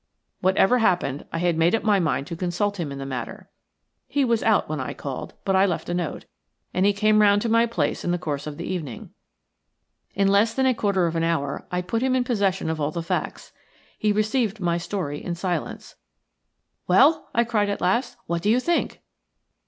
Whatever happened, I had made up my mind to consult him in the matter. He was out when I called, but I left a note, and he came round to my place in the course of the evening. In less than a quarter of an hour I put him in possession of all the facts. He received my story in silence. "Well!" I cried at last. "What do you think?"